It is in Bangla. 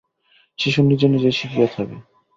শিশু নিজে নিজেই শিখিয়া থাকে।